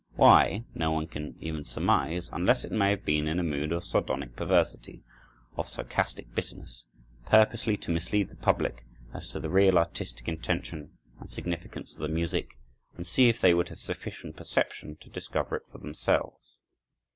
Why, no one can even surmise, unless it may have been in a mood of sardonic perversity, of sarcastic bitterness, purposely to mislead the public as to the real artistic intention and significance of the music, and see if they would have sufficient perception to discover it for themselves.